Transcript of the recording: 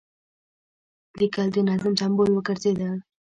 لیکل د نظم سمبول وګرځېدل.